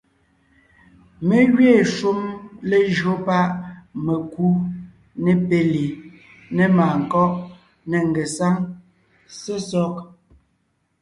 Mé gẅiin shúm lejÿo páʼ mekú , ne péli, ne màankɔ́ʼ, ne ngesáŋ, sesɔg;